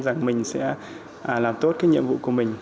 rằng mình sẽ làm tốt cái nhiệm vụ của mình